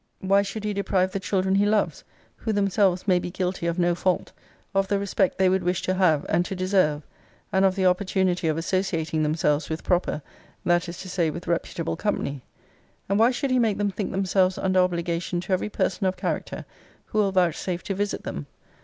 Why should he deprive the children he loves, who themselves may be guilty of no fault, of the respect they would wish to have, and to deserve; and of the opportunity of associating themselves with proper, that is to say, with reputable company? and why should he make them think themselves under obligation to every person of character, who will vouchsafe to visit them?